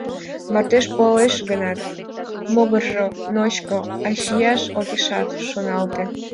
Мардеж пуалеш гынат, могыржо ночко, а чияш огешат шоналте.